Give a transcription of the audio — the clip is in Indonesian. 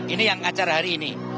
ini yang acara hari ini